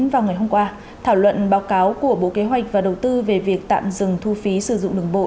vào ngày hôm qua thảo luận báo cáo của bộ kế hoạch và đầu tư về việc tạm dừng thu phí sử dụng đường bộ